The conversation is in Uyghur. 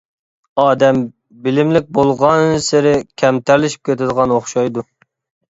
ئادەم بىلىملىك بولغانسېرى كەمتەرلىشىپ كېتىدىغان ئوخشايدۇ.